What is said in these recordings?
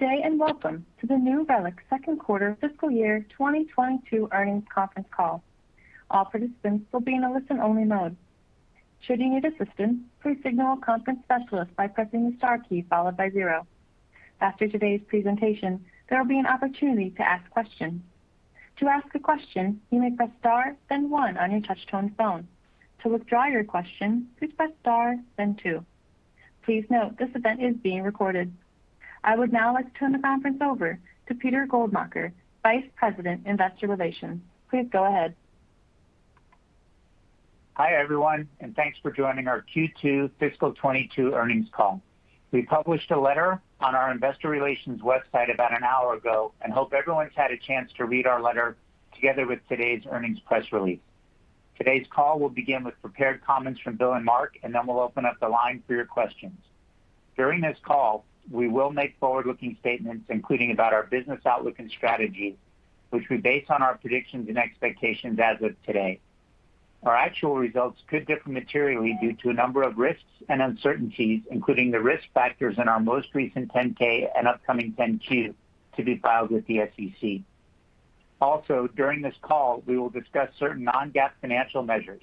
Good day, and welcome to the New Relic Q2 fiscal year 2022 earnings conference call. All participants will be in a listen-only mode. Should you need assistance, please signal a conference specialist by pressing the star key followed by zero. After today's presentation, there will be an opportunity to ask questions. To ask a question, you may press star, then one on your touch-tone phone. To withdraw your question, please press star, then two. Please note, this event is being recorded. I would now like to turn the conference over to Peter Goldmacher, Vice President, Investor Relations. Please go ahead. Hi, everyone, and thanks for joining our Q2 fiscal 2022 earnings call. We published a letter on our investor relations website about an hour ago and hope everyone's had a chance to read our letter together with today's earnings press release. Today's call will begin with prepared comments from Bill and Mark, and then we'll open up the line for your questions. During this call, we will make forward-looking statements, including about our business outlook and strategy, which we base on our predictions and expectations as of today. Our actual results could differ materially due to a number of risks and uncertainties, including the risk factors in our most recent 10-K and upcoming 10-Q to be filed with the SEC. Also, during this call, we will discuss certain non-GAAP financial measures.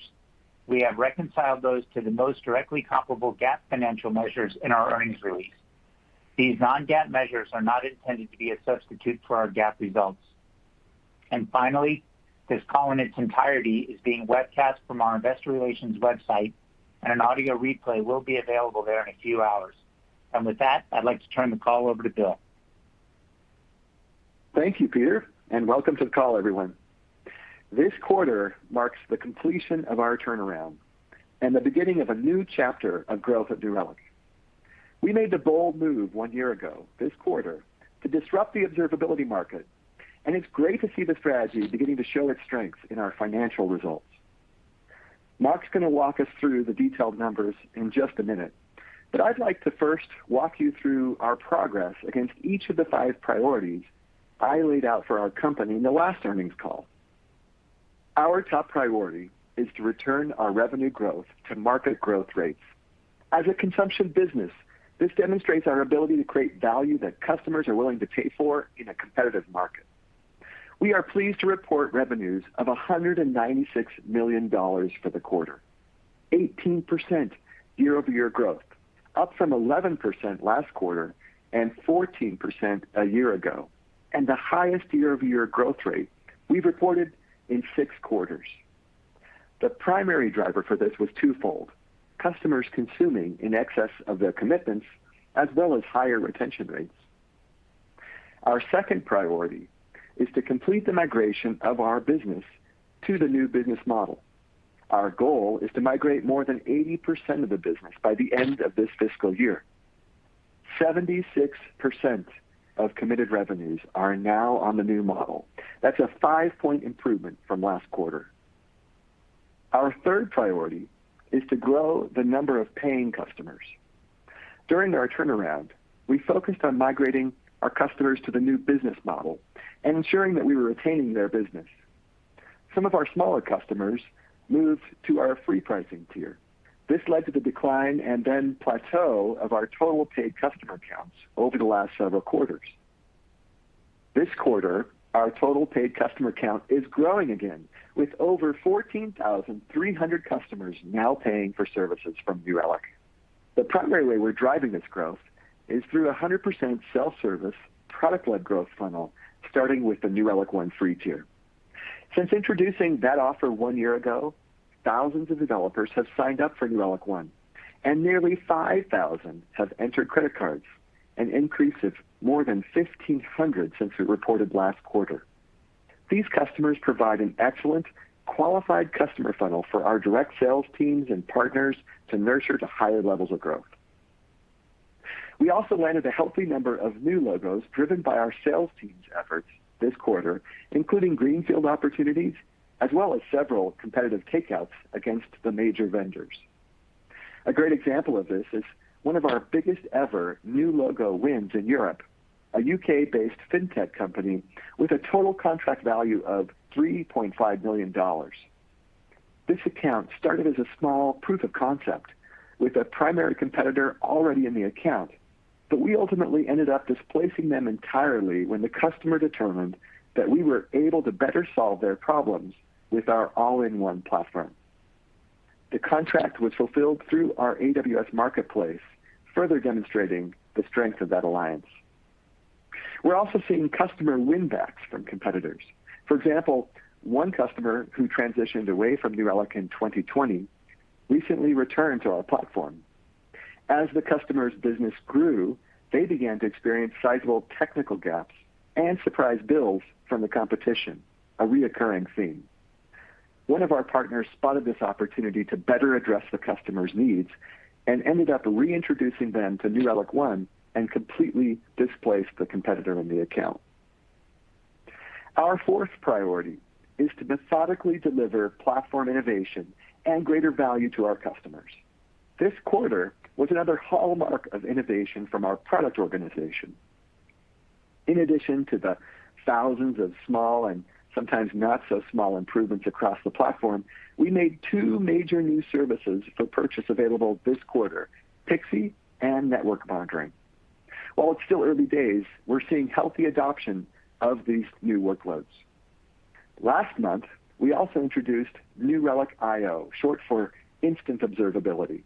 We have reconciled those to the most directly comparable GAAP financial measures in our earnings release. These non-GAAP measures are not intended to be a substitute for our GAAP results. Finally, this call in its entirety is being webcast from our investor relations website, and an audio replay will be available there in a few hours. With that, I'd like to turn the call over to Bill. Thank you, Peter, and welcome to the call, everyone. This quarter marks the completion of our turnaround and the beginning of a new chapter of growth at New Relic. We made the bold move one year ago this quarter to disrupt the observability market, and it's great to see the strategy beginning to show its strengths in our financial results. Mark's gonna walk us through the detailed numbers in just a minute, but I'd like to first walk you through our progress against each of the five priorities I laid out for our company in the last earnings call. Our top priority is to return our revenue growth to market growth rates. As a consumption business, this demonstrates our ability to create value that customers are willing to pay for in a competitive market. We are pleased to report revenues of $196 million for the quarter, 18% year-over-year growth, up from 11% last quarter and 14% a year ago, and the highest year-over-year growth rate we've reported in six. The primary driver for this was twofold, customers consuming in excess of their commitments as well as higher retention rates. Our second priority is to complete the migration of our business to the new business model. Our goal is to migrate more than 80% of the business by the end of this fiscal year. 76% of committed revenues are now on the new model. That's a five-point improvement from last quarter. Our third priority is to grow the number of paying customers. During our turnaround, we focused on migrating our customers to the new business model and ensuring that we were retaining their business. Some of our smaller customers moved to our free pricing tier. This led to the decline and then plateau of our total paid customer counts over the last several quarters. This quarter, our total paid customer count is growing again, with over 14,300 customers now paying for services from New Relic. The primary way we're driving this growth is through 100% self-service product-led growth funnel, starting with the New Relic One free tier. Since introducing that offer one year ago, thousands of developers have signed up for New Relic One, and nearly 5,000 have entered credit cards, an increase of more than 1,500 since we reported last quarter. These customers provide an excellent qualified customer funnel for our direct sales teams and partners to nurture to higher levels of growth. We also landed a healthy number of new logos driven by our sales team's efforts this quarter, including greenfield opportunities, as well as several competitive takeouts against the major vendors. A great example of this is one of our biggest ever new logo wins in Europe, a U.K.-based fintech company with a total contract value of $3.5 million. This account started as a small proof of concept with a primary competitor already in the account, but we ultimately ended up displacing them entirely when the customer determined that we were able to better solve their problems with our all-in-one platform. The contract was fulfilled through our AWS Marketplace, further demonstrating the strength of that alliance. We're also seeing customer win backs from competitors. For example, one customer who transitioned away from New Relic in 2020 recently returned to our platform. As the customer's business grew, they began to experience sizable technical gaps and surprise bills from the competition, a recurring theme. One of our partners spotted this opportunity to better address the customer's needs and ended up reintroducing them to New Relic One and completely displaced the competitor in the account. Our fourth priority is to methodically deliver platform innovation and greater value to our customers. This quarter was another hallmark of innovation from our product organization. In addition to the thousands of small and sometimes not so small improvements across the platform, we made two major new services for purchase available this quarter, Pixie and Network Monitoring. While it's still early days, we're seeing healthy adoption of these new workloads. Last month, we also introduced New Relic I/O, short for Instant Observability.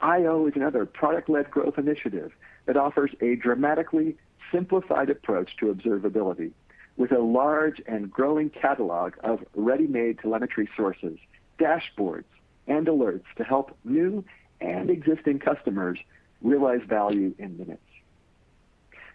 I/O is another product-led growth initiative that offers a dramatically simplified approach to observability with a large and growing catalog of ready-made telemetry sources, dashboards, and alerts to help new and existing customers realize value in minutes.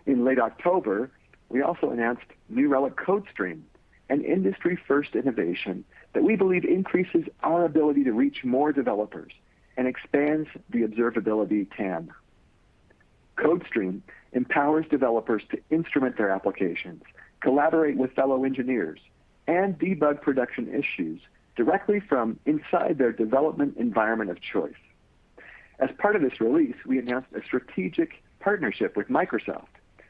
In late October, we also announced New Relic CodeStream, an industry-first innovation that we believe increases our ability to reach more developers and expands the observability TAM. CodeStream empowers developers to instrument their applications, collaborate with fellow engineers, and debug production issues directly from inside their development environment of choice. As part of this release, we announced a strategic partnership with Microsoft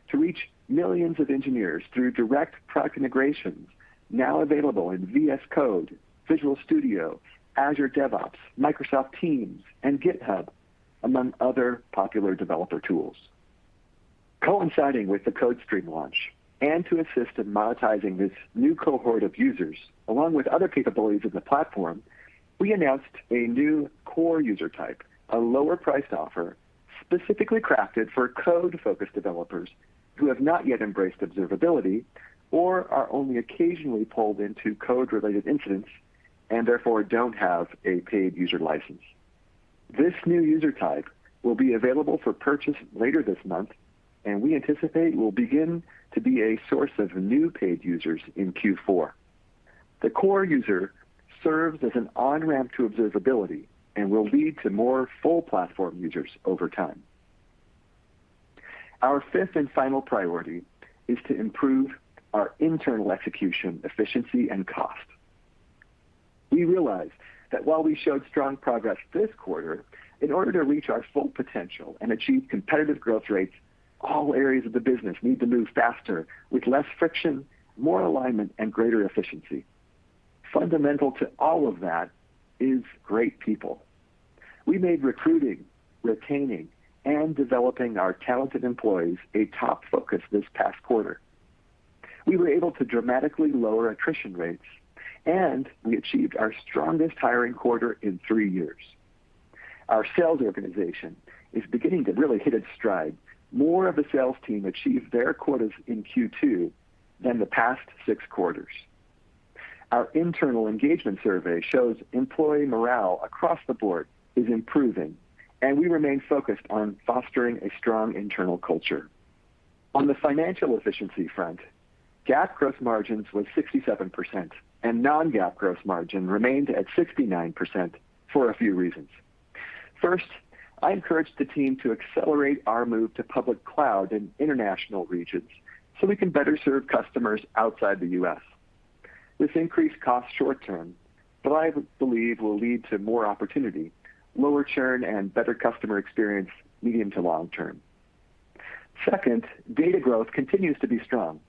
to reach millions of engineers through direct product integrations now available in VS Code, Visual Studio, Azure DevOps, Microsoft Teams, and GitHub, among other popular developer tools. Coinciding with the CodeStream launch and to assist in monetizing this new cohort of users, along with other capabilities of the platform, we announced a new core user type, a lower priced offer specifically crafted for code-focused developers who have not yet embraced observability or are only occasionally pulled into code-related incidents and therefore don't have a paid user license. This new user type will be available for purchase later this month, and we anticipate will begin to be a source of new paid users in Q4. The core user serves as an on-ramp to observability and will lead to more full platform users over time. Our fifth and final priority is to improve our internal execution efficiency and cost. We realize that while we showed strong progress this quarter, in order to reach our full potential and achieve competitive growth rates, all areas of the business need to move faster with less friction, more alignment, and greater efficiency. Fundamental to all of that is great people. We made recruiting, retaining, and developing our talented employees a top focus this past quarter. We were able to dramatically lower attrition rates, and we achieved our strongest hiring quarter in three years. Our sales organization is beginning to really hit its stride. More of the sales team achieved their quotas in Q2 than the past q6. Our internal engagement survey shows employee morale across the board is improving, and we remain focused on fostering a strong internal culture. On the financial efficiency front, GAAP gross margins was 67% and non-GAAP gross margin remained at 69% for a few reasons. First, I encouraged the team to accelerate our move to public cloud in international regions so we can better serve customers outside the U.S. This increased cost short term, but I believe will lead to more opportunity, lower churn, and better customer experience medium to long term. Second, data growth continues to be strong.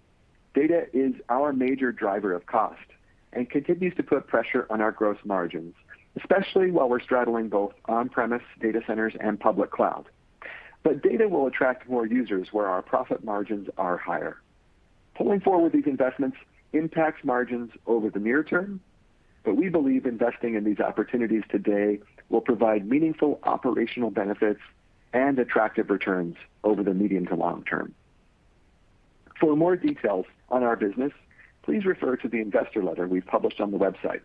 Data is our major driver of cost and continues to put pressure on our gross margins, especially while we're straddling both on-premise data centers and public cloud. Data will attract more users where our profit margins are higher. Pulling forward these investments impacts margins over the near term, but we believe investing in these opportunities today will provide meaningful operational benefits and attractive returns over the medium to long term. For more details on our business, please refer to the investor letter we published on the website.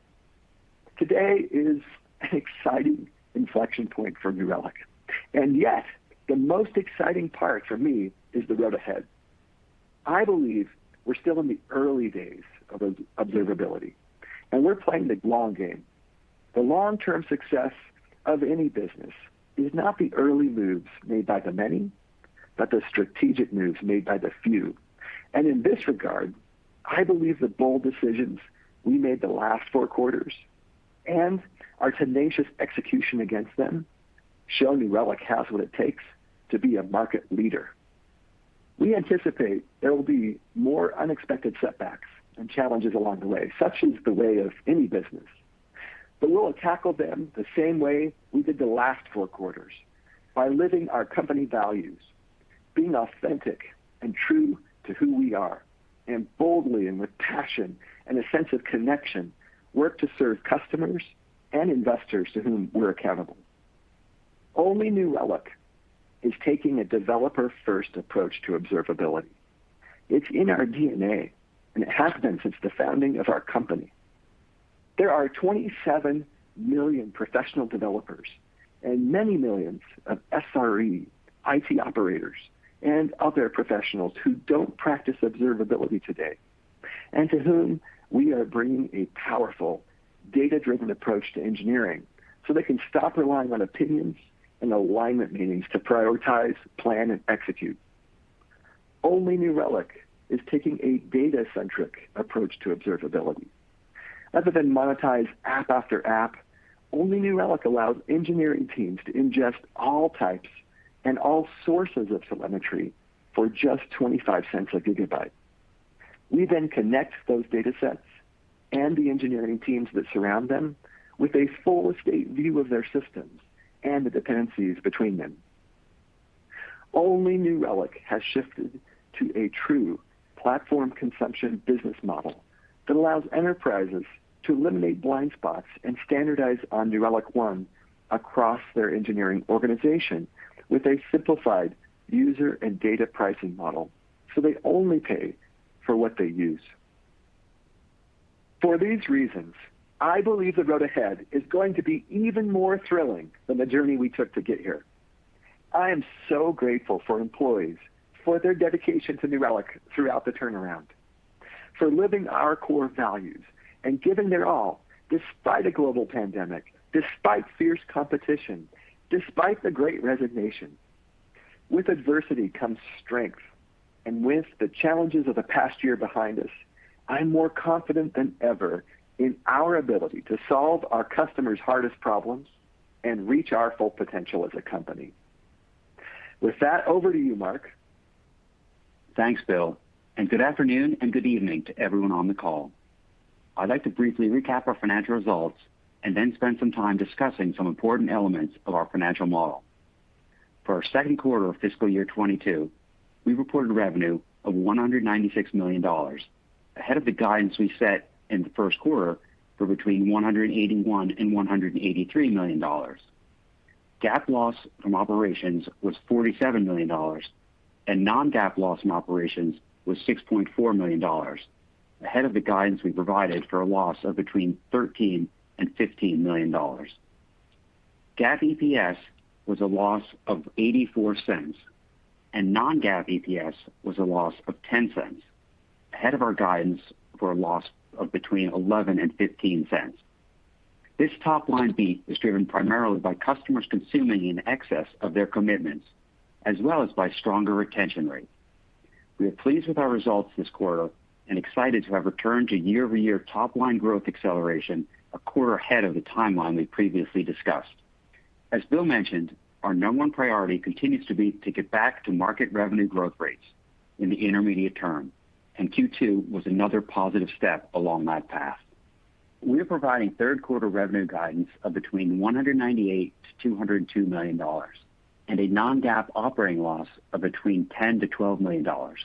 Today is an exciting inflection point for New Relic, and yet the most exciting part for me is the road ahead. I believe we're still in the early days of observability, and we're playing the long game. The long-term success of any business is not the early moves made by the many, but the strategic moves made by the few. In this regard, I believe the bold decisions we made the last Q4 and our tenacious execution against them show New Relic has what it takes to be a market leader. We anticipate there will be more unexpected setbacks and challenges along the way, such is the way of any business. We'll tackle them the same way we did the last Q4, by living our company values, being authentic and true to who we are, and boldly and with passion and a sense of connection, work to serve customers and investors to whom we're accountable. Only New Relic is taking a developer-first approach to observability. It's in our DNA, and it has been since the founding of our company. There are 27 million professional developers and many millions of SRE, IT operators, and other professionals who don't practice observability today, and to whom we are bringing a powerful data-driven approach to engineering so they can stop relying on opinions and alignment meetings to prioritize, plan, and execute. Only New Relic is taking a data-centric approach to observability. Rather than monetize app after app, only New Relic allows engineering teams to ingest all types and all sources of telemetry for just $0.25 a gigabyte. We then connect those data sets and the engineering teams that surround them with a full-stack view of their systems and the dependencies between them. Only New Relic has shifted to a true platform consumption business model that allows enterprises to eliminate blind spots and standardize on New Relic One across their engineering organization with a simplified user and data pricing model, so they only pay for what they use. For these reasons, I believe the road ahead is going to be even more thrilling than the journey we took to get here. I am so grateful for employees for their dedication to New Relic throughout the turnaround, for living our core values and giving their all despite a global pandemic, despite fierce competition, despite the great resignation. With adversity comes strength, and with the challenges of the past year behind us, I'm more confident than ever in our ability to solve our customers' hardest problems and reach our full potential as a company. With that, over to you, Mark. Thanks, Bill, and good afternoon and good evening to everyone on the call. I'd like to briefly recap our financial results and then spend some time discussing some important elements of our financial model. For our Q2 of fiscal year 2022, we reported revenue of $196 million, ahead of the guidance we set in the Q1 for between $181 million and $183 million. GAAP loss from operations was $47 million, and non-GAAP loss in operations was $6.4 million, ahead of the guidance we provided for a loss of between $13 million and $15 million. GAAP EPS was a loss of $0.84, and non-GAAP EPS was a loss of $0.10, ahead of our guidance for a loss of between $0.11 and $0.15. This top line beat is driven primarily by customers consuming in excess of their commitments as well as by stronger retention rates. We are pleased with our results this quarter and excited to have returned to year-over-year top line growth acceleration a quarter ahead of the timeline we previouly discussed. As Bill mentioned, our number one priority continues to be to get back to market revenue growth rates in the intermediate term, and Q2 was another positive step along that path. We are providing Q3 revenue guidance of between $198 million and $202 million and a non-GAAP operating loss of between $10 million and $12 million.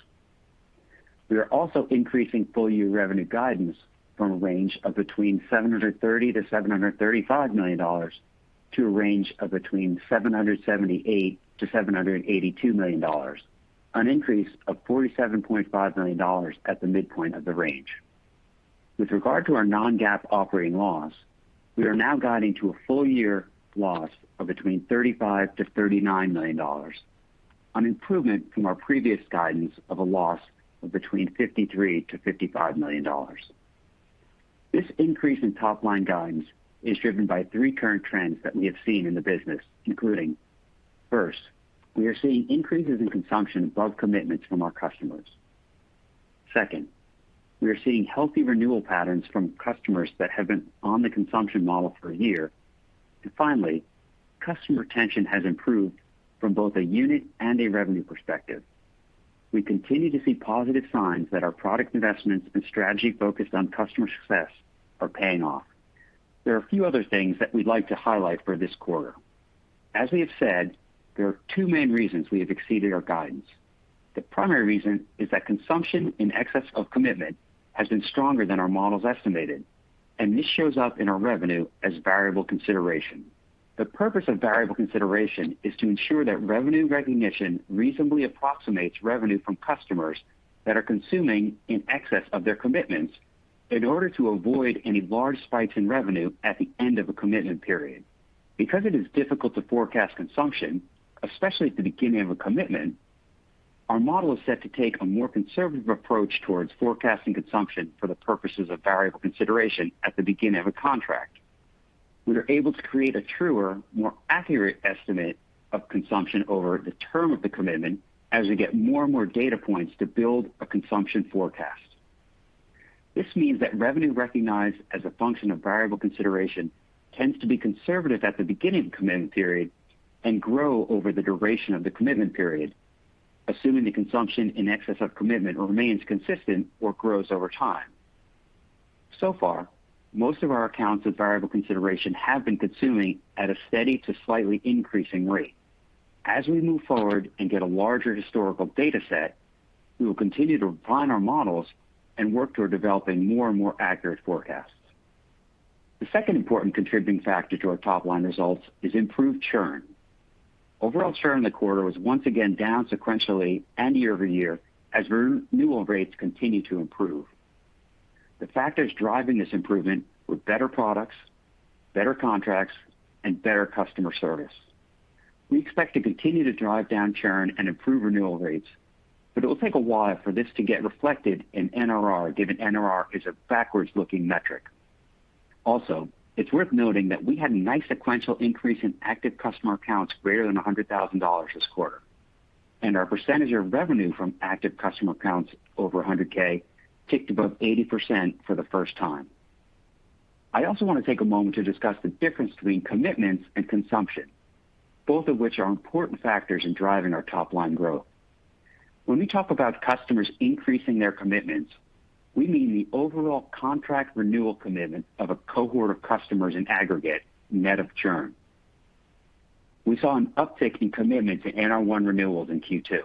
We are also increasing full year revenue guidance from a range of between $730 million-$735 million to a range of between $778 million-$782 million, an increase of $47.5 million at the midpoint of the range. With regard to our non-GAAP operating loss, we are now guiding to a full year loss of between $35-$39 million, an improvement from our previous guidance of a loss of between $53-$55 million. This increase in top line guidance is driven by three current trends that we have seen in the business, including, first, we are seeing increases in consumption above commitments from our customers. Second, we are seeing healthy renewal patterns from customers that have been on the consumption model for a year. Finally, customer retention has improved from both a unit and a revenue perspective. We continue to see positive signs that our product investments and strategy focused on customer success are paying off. There are a few other things that we'd like to highlight for this quarter. As we have said, there are two main reasons we have exceeded our guidance. The primary reason is that consumption in excess of commitment has been stronger than our models estimated, and this shows up in our revenue as variable consideration. The purpose of variable consideration is to ensure that revenue recognition reasonably approximates revenue from customers that are consuming in excess of their commitments in order to avoid any large spikes in revenue at the end of a commitment period. Because it is difficult to forecast consumption, especially at the beginning of a commitment, our model is set to take a more conservative approach towards forecasting consumption for the purposes of variable consideration at the beginning of a contract. We are able to create a truer, more accurate estimate of consumption over the term of the commitment as we get more and more data points to build a consumption forecast. This means that revenue recognized as a function of variable consideration tends to be conservative at the beginning of the commitment period and grow over the duration of the commitment period, assuming the consumption in excess of commitment remains consistent or grows over time. So far, most of our accounts of variable consideration have been consuming at a steady to slightly increasing rate. As we move forward and get a larger historical data set, we will continue to refine our models and work toward developing more and more accurate forecasts. The second important contributing factor to our top line results is improved churn. Overall churn in the quarter was once again down sequentially and year-over-year as renewal rates continue to improve. The factors driving this improvement were better products, better contracts, and better customer service. We expect to continue to drive down churn and improve renewal rates, but it will take a while for this to get reflected in NRR, given NRR is a backward-looking metric. Also, it's worth noting that we had a nice sequential increase in active customer accounts greater than $100,000 this quarter. Our percentage of revenue from active customer accounts over 100K ticked above 80% for the first time. I also want to take a moment to discuss the difference between commitments and consumption, both of which are important factors in driving our top-line growth. When we talk about customers increasing their commitments, we mean the overall contract renewal commitment of a cohort of customers in aggregate, net of churn. We saw an uptick in commitment to New Relic One renewals in Q2.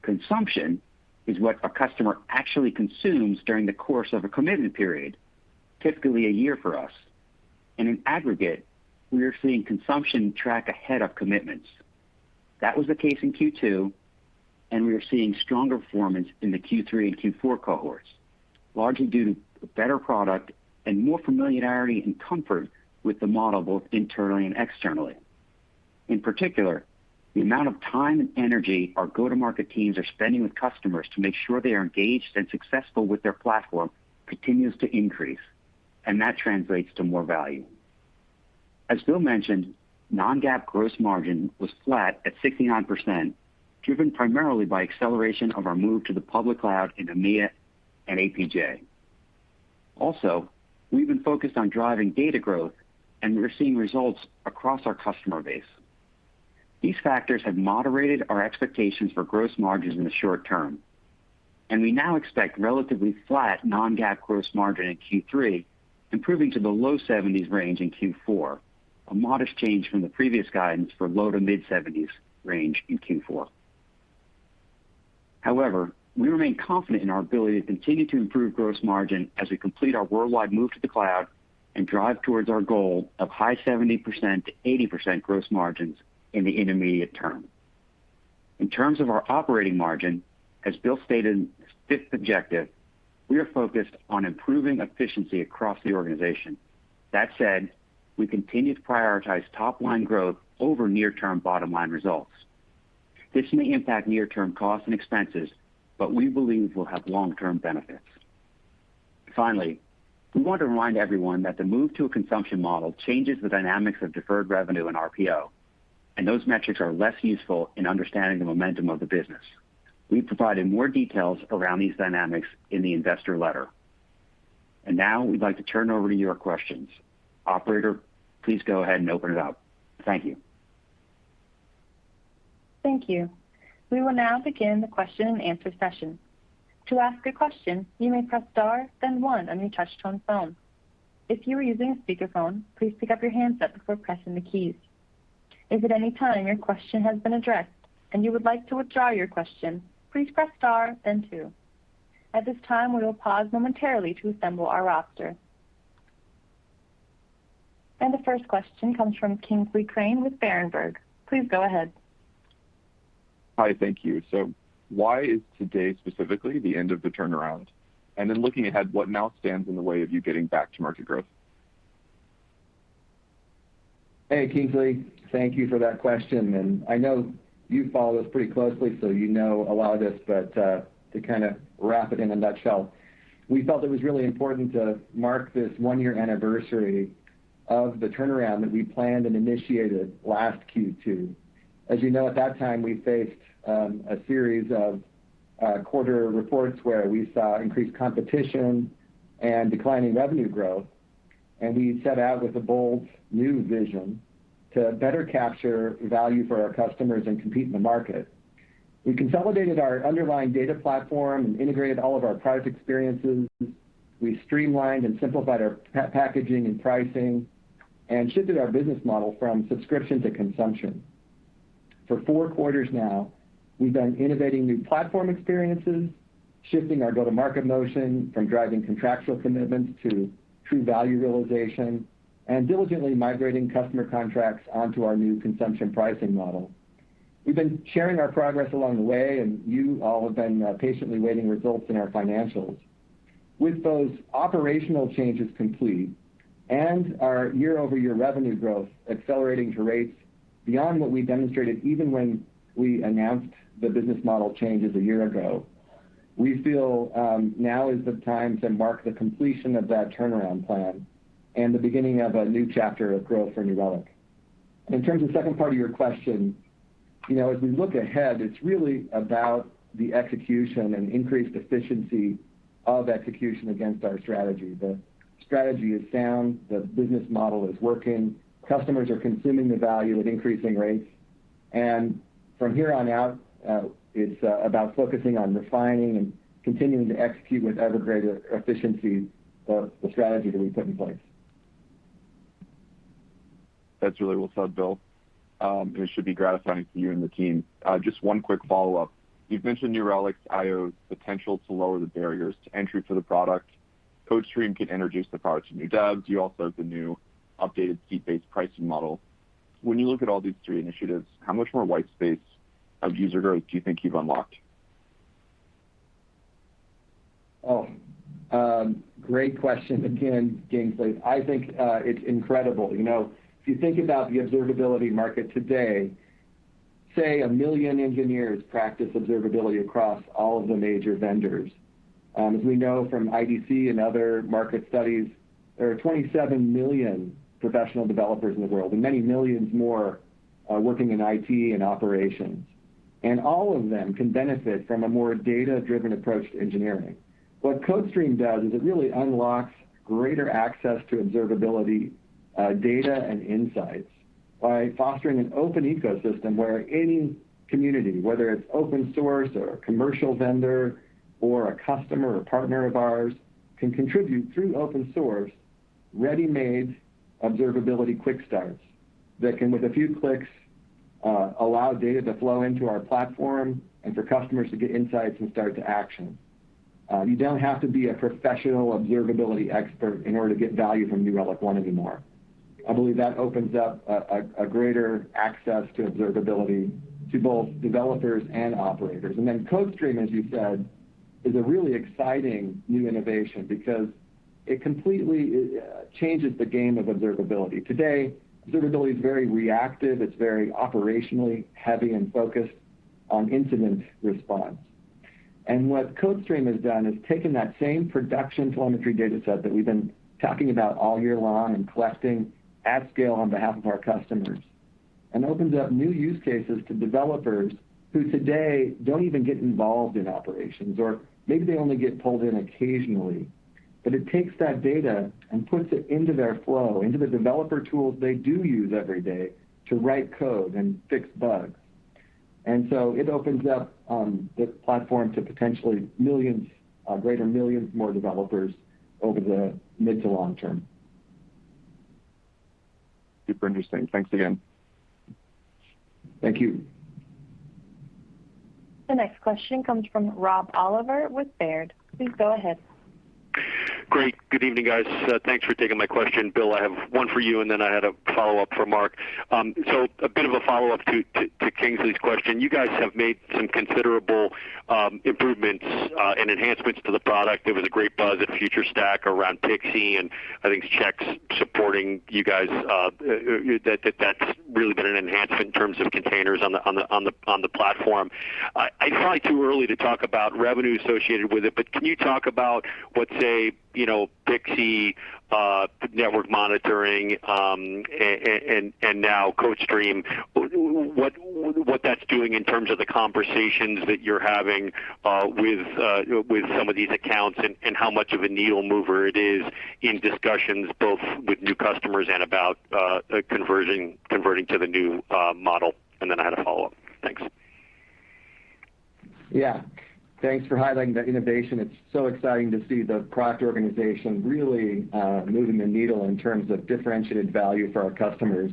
Consumption is what a customer actually consumes during the course of a commitment period, typically a year for us. In aggregate, we are seeing consumption track ahead of commitments. That was the case in Q2, and we are seeing stronger performance in the Q3 and Q4 cohorts, largely due to better product and more familiarity and comfort with the model, both internally and externally. In particular, the amount of time and energy our go-to-market teams are spending with customers to make sure they are engaged and successful with their platform continues to increase, and that translates to more value. As Bill mentioned, non-GAAP gross margin was flat at 69%, driven primarily by acceleration of our move to the public cloud in EMEA and APJ. Also, we've been focused on driving data growth, and we're seeing results across our customer base. These factors have moderated our expectations for gross margins in the short term, and we now expect relatively flat non-GAAP gross margin in Q3, improving to the low 70s range in Q4, a modest change from the previous guidance for low-to-mid-70s range in Q4. However, we remain confident in our ability to continue to improve gross margin as we complete our worldwide move to the cloud and drive towards our goal of high 70%-80% gross margins in the intermediate term. In terms of our operating margin, as Bill stated in his fifth objective, we are focused on improving efficiency across the organization. That said, we continue to prioritize top-line growth over near-term bottom-line results. This may impact near-term costs and expenses, but we believe will have long-term benefits. Finally, we want to remind everyone that the move to a consumption model changes the dynamics of deferred revenue and RPO, and those metrics are less useful in understanding the momentum of the business. We've provided more details around these dynamics in the investor letter. Now we'd like to turn over to your questions. Operator, please go ahead and open it up. Thank you. Thank you. We will now begin the question and answer session. To ask a question, you may press star, then one on your touch-tone phone. If you are using a speakerphone, please pick up your handset before pressing the keys. If at any time your question has been addressed and you would like to withdraw your question, please press star then two. At this time, we will pause momentarily to assemble our roster. The first question comes from Kingsley Crane with Canaccord Genuity. Please go ahead. Hi. Thank you. Why is today specifically the end of the turnaround? Looking ahead, what now stands in the way of you getting back to market growth? Hey, Kingsley. Thank you for that question. I know you follow this pretty closely, so you know a lot of this, but to kind of wrap it in a nutshell, we felt it was really important to mark this one-year anniversary of the turnaround that we planned and initiated last Q2. As you know, at that time, we faced a series of quarterly reports where we saw increased competition and declining revenue growth, and we set out with a bold new vision to better capture value for our customers and compete in the market. We consolidated our underlying data platform and integrated all of our product experiences. We streamlined and simplified our packaging and pricing and shifted our business model from subscription to consumption. For Q4 now, we've been innovating new platform experiences, shifting our go-to-market motion from driving contractual commitments to true value realization, and diligently migrating customer contracts onto our new consumption pricing model. We've been sharing our progress along the way, and you all have been patiently waiting results in our financials. With those operational changes complete and our year-over-year revenue growth accelerating to rates beyond what we demonstrated, even when we announced the business model changes a year ago, we feel now is the time to mark the completion of that turnaround plan and the beginning of a new chapter of growth for New Relic. In terms of second part of your question, you know, as we look ahead, it's really about the execution and increased efficiency of execution against our strategy. The strategy is sound, the business model is working, customers are consuming the value at increasing rates. From here on out, it's about focusing on refining and continuing to execute with ever greater efficiency the strategy that we put in place. That's really well said, Bill. It should be gratifying for you and the team. Just one quick follow-up. You've mentioned New Relic's I/O potential to lower the barriers to entry for the product. CodeStream can introduce the product to new devs. You also have the new updated seat-based pricing model. When you look at all these three initiatives, how much more white space of user growth do you think you've unlocked? Oh, great question again, Kingsley. I think, it's incredible. You know, if you think about the observability market today, say, 1 million engineers practice observability across all of the major vendors. As we know from IDC and other market studies, there are 27 million professional developers in the world, and many millions more are working in IT and operations. All of them can benefit from a more data-driven approach to engineering. What CodeStream does is it really unlocks greater access to observability, data, and insights by fostering an open ecosystem where any community, whether it's open source or a commercial vendor or a customer or partner of ours, can contribute through open source, ready-made observability quick starts that can, with a few clicks, allow data to flow into our platform and for customers to get insights and start to action. You don't have to be a professional observability expert in order to get value from New Relic One anymore. I believe that opens up a greater access to observability to both developers and operators. CodeStream, as you said, is a really exciting new innovation because it completely changes the game of observability. Today, observability is very reactive. It's very operationally heavy and focused on incident response. What CodeStream has done is taken that same production telemetry data set that we've been talking about all year long and collecting at scale on behalf of our customers, and opens up new use cases to developers who today don't even get involved in operations, or maybe they only get pulled in occasionally. It takes that data and puts it into their flow, into the developer tools they do use every day to write code and fix bugs. It opens up the platform to potentially millions, greater millions more developers over the mid to long term. Super interesting. Thanks again. Thank you. The next question comes from Rob Oliver with Baird. Please go ahead. Great. Good evening, guys. Thanks for taking my question. Bill, I have one for you, and then I had a follow-up for Mark. A bit of a follow-up to Kingsley's question. You guys have made some considerable improvements and enhancements to the product. There was a great buzz at FutureStack around Pixie, and I think Checkly supporting you guys that's really been an enhancement in terms of containers on the platform. It's probably too early to talk about revenue associated with it, but can you talk about what, say, you know, Pixie, Network Monitoring, and now CodeStream, what that's doing in terms of the conversations that you're having with some of these accounts, and how much of a needle mover it is in discussions both with new customers and about converting to the new model? Then I had a follow-up. Thanks. Yeah. Thanks for highlighting the innovation. It's so exciting to see the product organization really moving the needle in terms of differentiated value for our customers.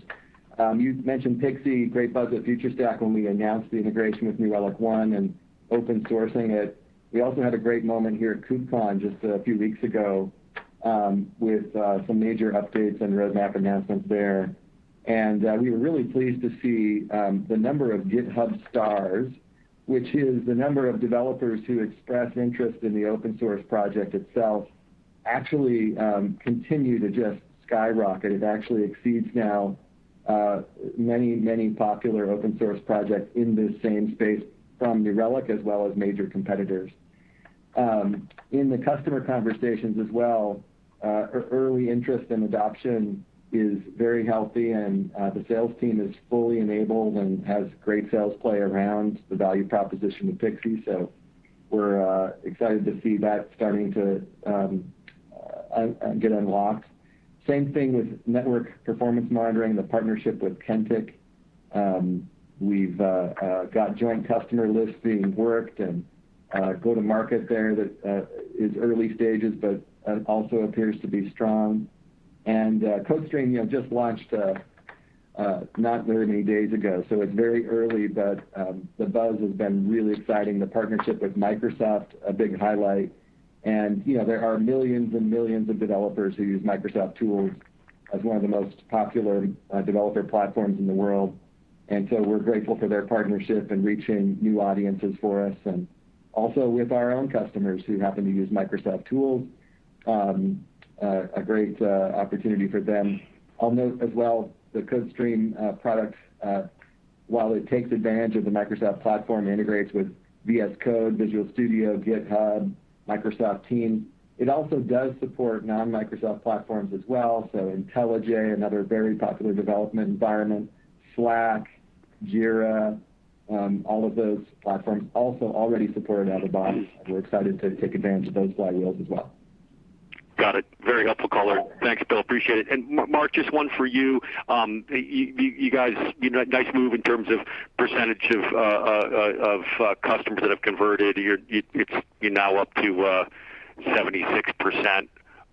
You've mentioned Pixie, great buzz at FutureStack when we announced the integration with New Relic One and open sourcing it. We also had a great moment here at KubeCon just a few weeks ago with some major updates and roadmap announcements there. We were really pleased to see the number of GitHub stars, which is the number of developers who express interest in the open source project itself, actually continue to just skyrocket. It actually exceeds now many, many popular open source projects in this same space from New Relic, as well as major competitors. In the customer conversations as well, early interest and adoption is very healthy, and the sales team is fully enabled and has great sales play around the value proposition with Pixie. We're excited to see that starting to get unlocked. Same thing with network performance monitoring, the partnership with Kentik. We've got joint customer lists being worked and go-to-market there that is early stages, but also appears to be strong. CodeStream, you know, just launched not very many days ago, so it's very early, but the buzz has been really exciting. The partnership with Microsoft, a big highlight. You know, there are millions and millions of developers who use Microsoft tools as one of the most popular developer platforms in the world. We're grateful for their partnership in reaching new audiences for us, and also with our own customers who happen to use Microsoft tools, a great opportunity for them. I'll note as well, the CodeStream product, while it takes advantage of the Microsoft platform, integrates with VS Code, Visual Studio, GitHub, Microsoft Teams, it also does support non-Microsoft platforms as well, so IntelliJ, another very popular development environment, Slack, Jira, all of those platforms also already supported out of the box. We're excited to take advantage of those flywheel as well. Got it. Very helpful color. Thanks, Bill. Appreciate it. Mark, just one for you. You guys, you know, nice move in terms of percentage of customers that have converted. You're now up to 76%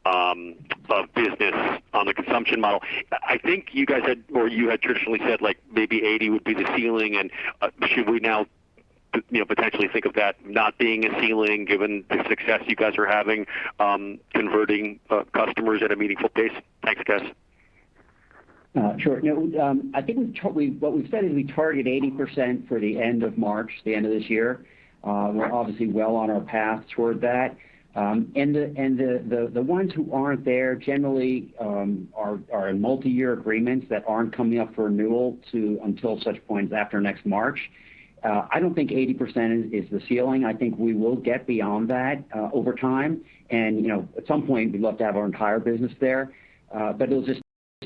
of business on the consumption model. I think you guys had, or you had traditionally said, like, maybe 80 would be the ceiling. Should we now, you know, potentially think of that not being a ceiling given the success you guys are having converting customers at a meaningful pace? Thanks, guys. Sure. No, I think what we said is we target 80% for the end of March, the end of this year. We're obviously well on our path toward that. The ones who aren't there generally are in multiyear agreements that aren't coming up for renewal until such point as after next March. I don't think 80% is the ceiling. I think we will get beyond that over time. You know, at some point, we'd love to have our entire business there, but it'll just.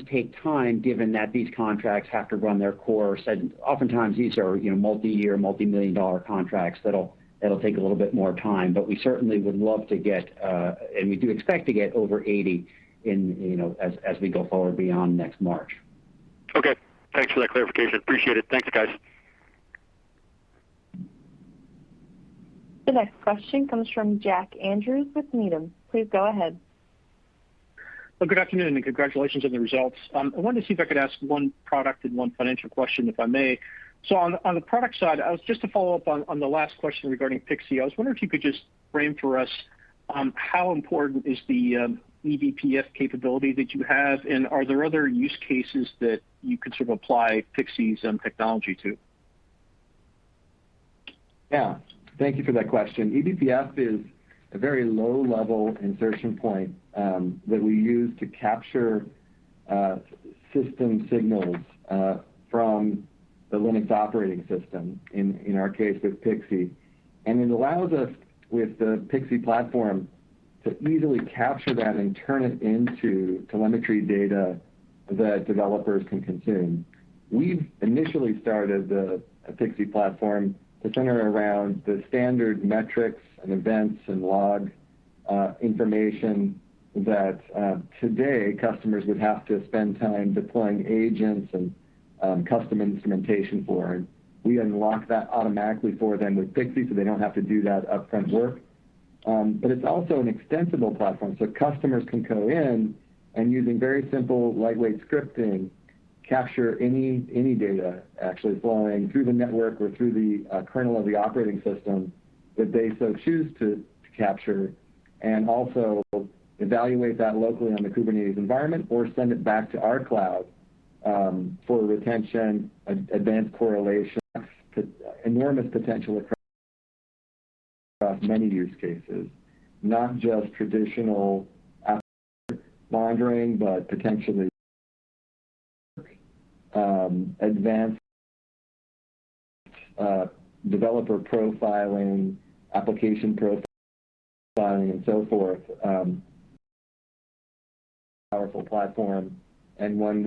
Take time, given that these contracts have to run their course. Oftentimes these are, you know, multi-year, multi-million-dollar contracts that'll take a little bit more time. We certainly would love to get, and we do expect to get over 80 in, you know, as we go forward beyond next March. Okay. Thanks for that clarification. Appreciate it. Thanks, guys. The next question comes from Jack Andrews with Needham. Please go ahead. Well, good afternoon, and congratulations on the results. I wanted to see if I could ask one product and one financial question, if I may. On the product side, I was just to follow up on the last question regarding Pixie. I was wondering if you could just frame for us how important is the eBPF capability that you have, and are there other use cases that you could sort of apply Pixie's technology to? Yeah. Thank you for that question. eBPF is a very low-level insertion point that we use to capture system signals from the Linux operating system, in our case with Pixie. It allows us with the Pixie platform to easily capture that and turn it into telemetry data that developers can consume. We've initially started the Pixie platform to center around the standard metrics and events and log information that today customers would have to spend time deploying agents and custom instrumentation for. We unlock that automatically for them with Pixie, so they don't have to do that upfront work. It's also an extensible platform, so customers can go in and using very simple lightweight scripting, capture any data actually flowing through the network or through the kernel of the operating system that they so choose to capture, and also evaluate that locally on the Kubernetes environment or send it back to our cloud for retention, advanced correlation. Enormous potential across many use cases, not just traditional app monitoring, but potentially advanced developer profiling, application profiling, and so forth. Powerful platform and one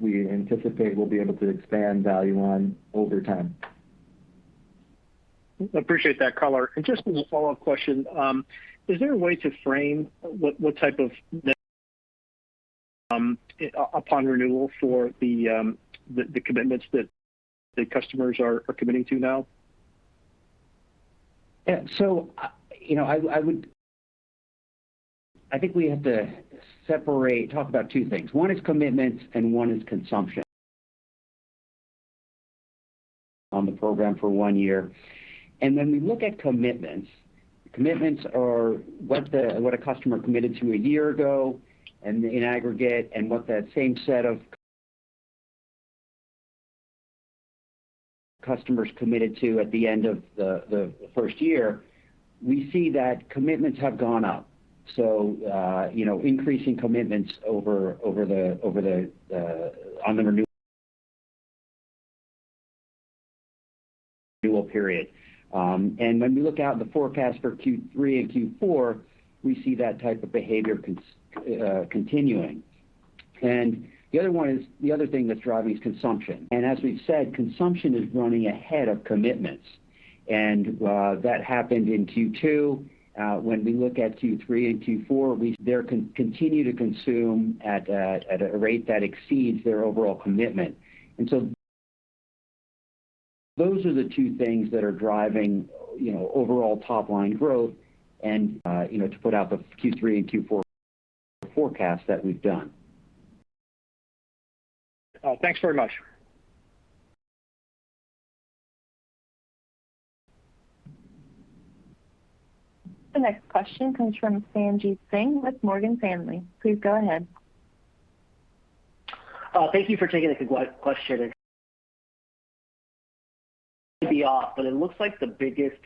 we anticipate we'll be able to expand value on over time. Appreciate that color. Just as a follow-up question, is there a way to frame what type of net upon renewal for the commitments that the customers are committing to now? You know, I think we have to talk about two things. One is commitments and one is consumption on the program for one year. When we look at commitments are what a customer committed to a year ago in aggregate, and what that same set of customers committed to at the end of the first year, we see that commitments have gone up. You know, increasing commitments over the renewal period. When we look out in the forecast for Q3 and Q4, we see that type of behavior continuing. The other thing that's driving is consumption. As we've said, consumption is running ahead of commitments. That happened in Q2. When we look at Q3 and Q4, they're continuing to consume at a rate that exceeds their overall commitment. Those are the two things that are driving, you know, overall top-line growth and, you know, to put out the Q3 and Q4 forecast that we've done. Thanks very much. The next question comes from Sanjit Singh with Morgan Stanley. Please go ahead. Thank you for taking the question. Before, but it looks like the biggest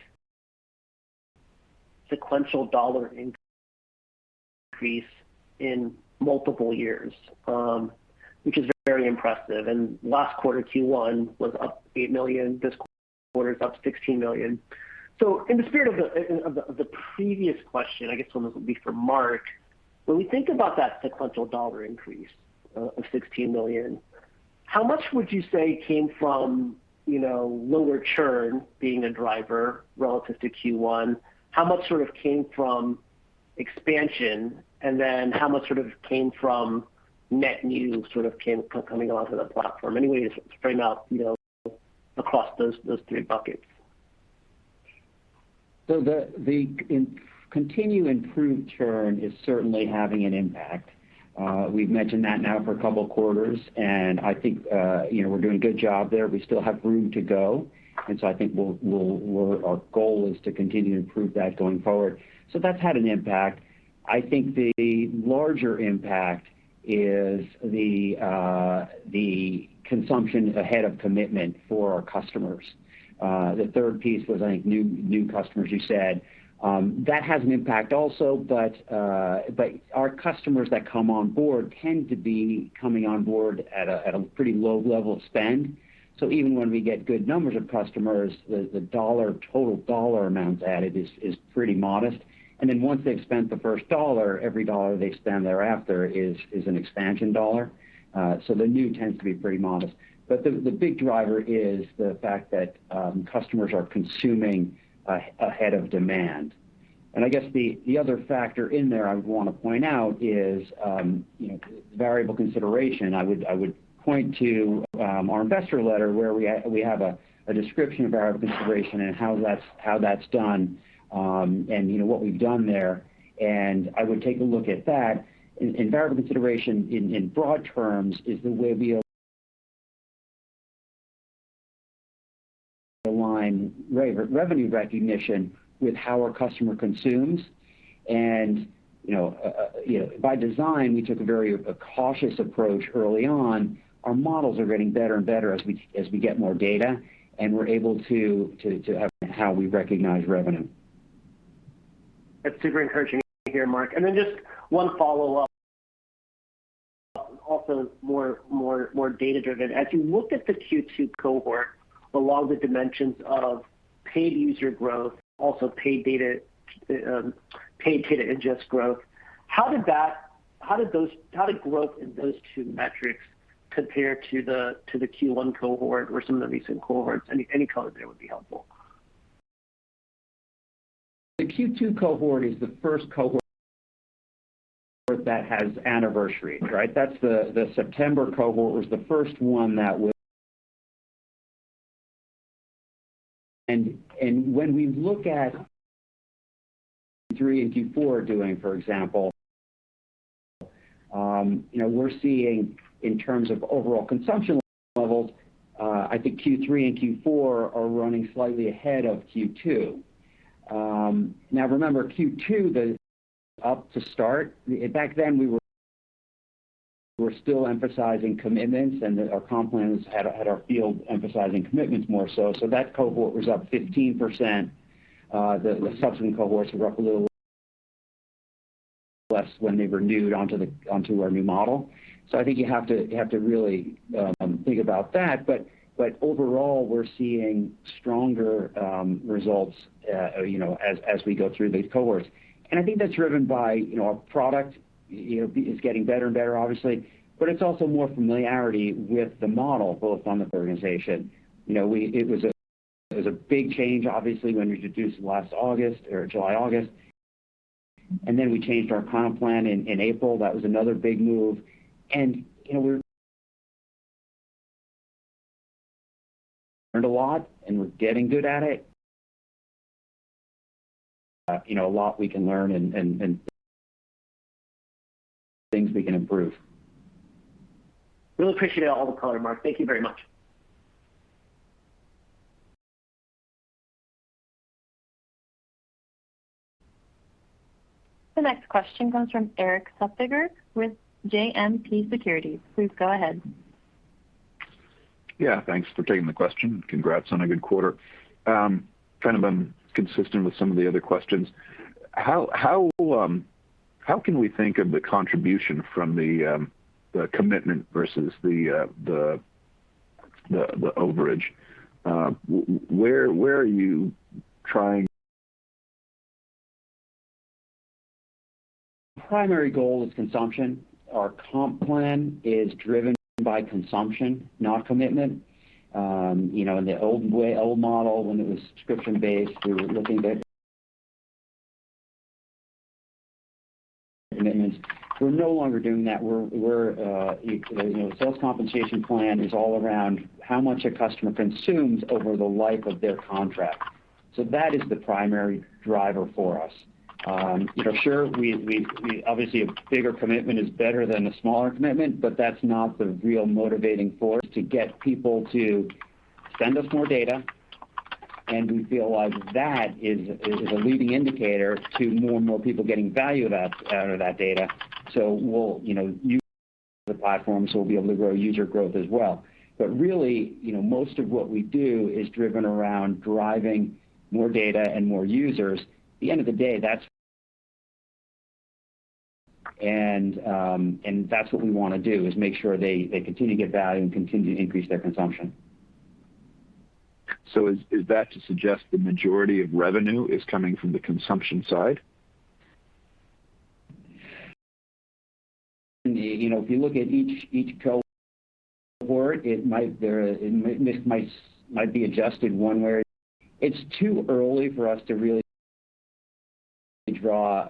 sequential dollar increase in multiple years, which is very impressive. Last quarter, Q1, was up $8 million. This quarter it's up $16 million. In the spirit of the previous question, I guess this one will be for Mark. When we think about that sequential dollar increase of $16 million, how much would you say came from, you know, lower churn being a driver relative to Q1? How much sort of came from expansion? And then how much sort of came from net new coming onto the platform? Any way to frame out, you know, across those three buckets. The continued improved churn is certainly having an impact. We've mentioned that now for a couple quarters, and I think, you know, we're doing a good job there. We still have room to go. I think we'll. Our goal is to continue to improve that going forward. That's had an impact. I think the larger impact is the consumption ahead of commitment for our customers. The third piece was, I think, new customers, you said. That has an impact also, but our customers that come on board tend to be coming on board at a pretty low level of spend. Even when we get good numbers of customers, the dollar total dollar amounts added is pretty modest. Once they've spent the first dollar, every dollar they spend thereafter is an expansion dollar. The new tends to be pretty modest. The big driver is the fact that customers are consuming ahead of demand. I guess the other factor in there I want to point out is, you know, variable consideration. I would point to our investor letter where we have a description of our consideration and how that's done, and, you know, what we've done there. Variable consideration in broad terms is the way we align revenue recognition with how our customer consumes. You know, by design, we took a very cautious approach early on. Our models are getting better and better as we get more data, and we're able to how we recognize revenue. That's super encouraging to hear, Mark. Just one follow-up. Also more data-driven. As you look at the Q2 cohort along the dimensions of paid user growth, also paid data, paid data ingest growth, how did growth in those two metrics compare to the Q1 cohort or some of the recent cohorts? Any color there would be helpful. The Q2 cohort is the first cohort that has anniversary, right? That's the September cohort was the first one that was. When we look at Q3 and Q4 doing, for example, you know, we're seeing in terms of overall consumption levels. I think Q3 and Q4 are running slightly ahead of Q2. Now remember Q2. Back then, we were still emphasizing commitments and our comp plans had our field emphasizing commitments more so. So that cohort was up 15%. The subsequent cohorts were up a little less when they renewed onto the onto our new model. So I think you have to really think about that. Overall, we're seeing stronger results, you know, as we go through these cohorts. I think that's driven by, you know, our product, you know, is getting better and better obviously, but it's also more familiarity with the model, both on the organization. You know, it was a big change, obviously, when we introduced last July or August. Then we changed our comp plan in April. That was another big move. You know, we've learned a lot, and we're getting good at it. You know, there's a lot we can learn and things we can improve. Really appreciate all the color, Mark. Thank you very much. The next question comes from Erik Suppiger with JMP Securities. Please go ahead. Yeah, thanks for taking the question. Congrats on a good quarter. Kind of consistent with some of the other questions. How can we think of the contribution from the commitment versus the overage? Where are you trying- Primary goal is consumption. Our comp plan is driven by consumption, not commitment. You know, in the old way, old model, when it was subscription-based, we were looking to commitments. We're no longer doing that. You know, sales compensation plan is all around how much a customer consumes over the life of their contract. That is the primary driver for us. You know, sure, we obviously a bigger commitment is better than a smaller commitment, but that's not the real motivating force to get people to send us more data. We feel like that is a leading indicator to more and more people getting value out of that data. We'll, you know, use the platform, so we'll be able to grow user growth as well. Really, you know, most of what we do is driven around driving more data and more users. At the end of the day, that's what we wanna do, is make sure they continue to get value and continue to increase their consumption. Is that to suggest the majority of revenue is coming from the consumption side? You know, if you look at each cohort, it might be adjusted one way. It's too early for us to really draw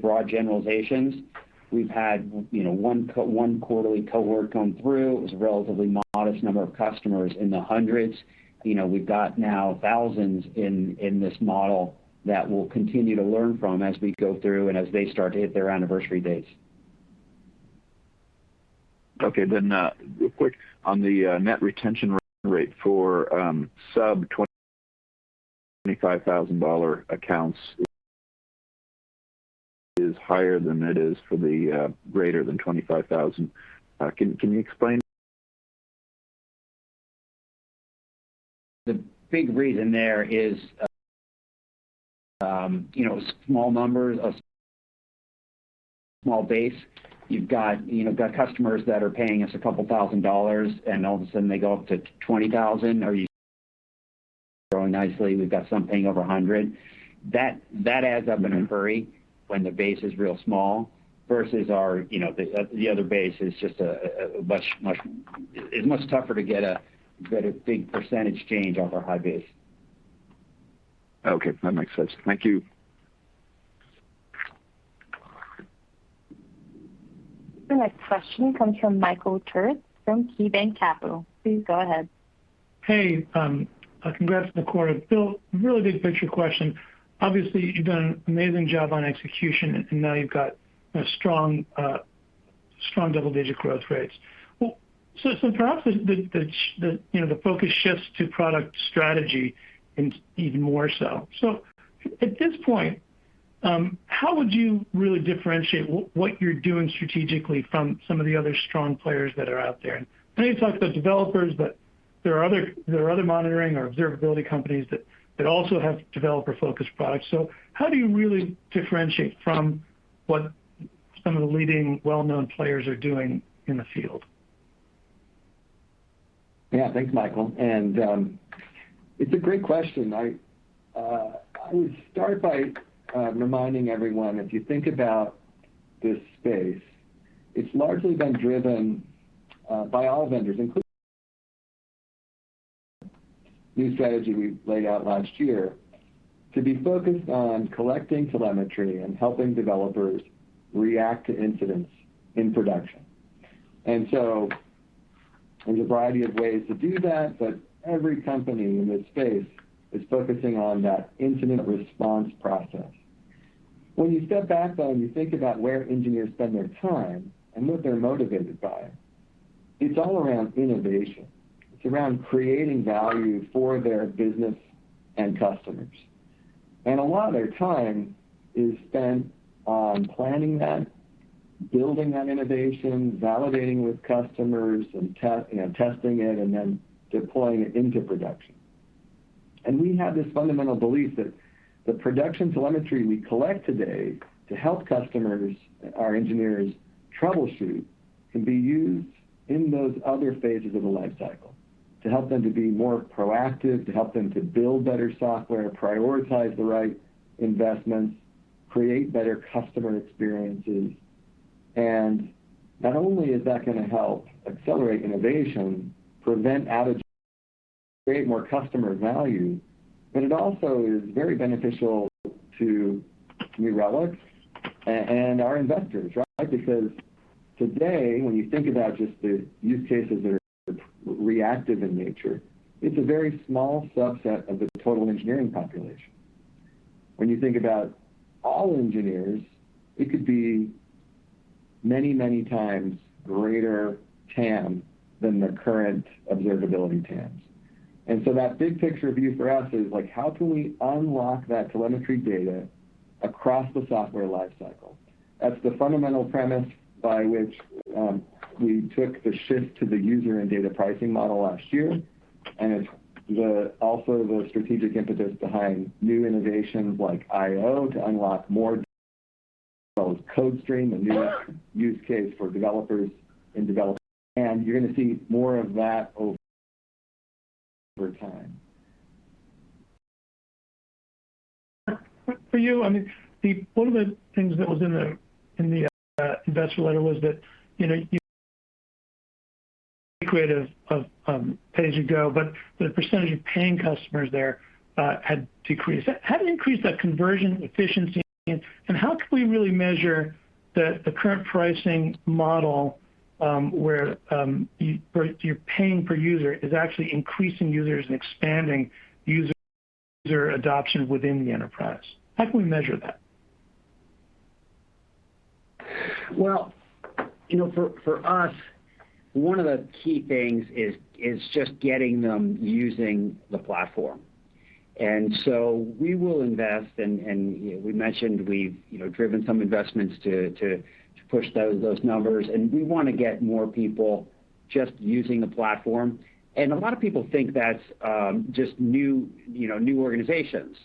broad generalizations. We've had, you know, one quarterly cohort come through. It was a relatively modest number of customers in the hundreds. You know, we've got now thousands in this model that we'll continue to learn from as we go through and as they start to hit their anniversary dates. Okay. Real quick on the net retention rate for sub-$25,000 accounts is higher than it is for the greater than $25,000. Can you explain? The big reason there is small numbers of small base. You've got customers that are paying us a couple thousand dollars, and all of a sudden they go up to 20,000 or growing nicely. We've got some paying over 100. That adds up in a hurry when the base is real small versus our the other base is just a much much. It's much tougher to get a big percentage change off our high base. Okay. That makes sense. Thank you. The next question comes from Michael Turits from KeyBanc Capital. Please go ahead. Hey, congrats on the quarter. Bill, really big picture question. Obviously, you've done an amazing job on execution, and now you've got a strong double-digit growth rates. Well, perhaps the you know the focus shifts to product strategy and even more so. At this point, how would you really differentiate what you're doing strategically from some of the other strong players that are out there? I know you talked about developers, but there are other monitoring or observability companies that also have developer-focused products. How do you really differentiate from what some of the leading well-known players are doing in the field? Yeah. Thanks, Michael. It's a great question. I would start by reminding everyone, if you think about this space, it's largely been driven by all vendors, including new strategy we laid out last year, to be focused on collecting telemetry and helping developers react to incidents in production. There's a variety of ways to do that, but every company in this space is focusing on that incident response process. When you step back, though, and you think about where engineers spend their time and what they're motivated by, it's all around innovation. It's around creating value for their business and customers. A lot of their time is spent on planning that, building that innovation, validating with customers and, you know, testing it and then deploying it into production. We have this fundamental belief that the production telemetry we collect today to help customers, our engineers troubleshoot, can be used in those other phases of the life cycle to help them to be more proactive, to help them to build better software, prioritize the right investments, create better customer experiences. Not only is that gonna help accelerate innovation, prevent outage, create more customer value, but it also is very beneficial to New Relic's and our investors, right? Because today, when you think about just the use cases that are reactive in nature, it's a very small subset of the total engineering population. When you think about all engineers, it could be many, many times greater TAM than the current observability TAMs. That big picture view for us is, like, how can we unlock that telemetry data across the software life cycle? That's the fundamental premise by which we took the shift to the user and data pricing model last year. It's also the strategic impetus behind new innovations like I/O to unlock more CodeStream, a new use case for developers in development. You're gonna see more of that over time. For you, I mean, one of the things that was in the investor letter was that, you know, you created pay as you go, but the percentage of paying customers there had decreased. How do you increase that conversion efficiency, and how can we really measure the current pricing model, where you're paying per user is actually increasing users and expanding user adoption within the enterprise? How can we measure that? Well, you know, for us, one of the key things is just getting them using the platform. We will invest and we mentioned we've, you know, driven some investments to push those numbers, and we wanna get more people just using the platform. A lot of people think that's just new organizations.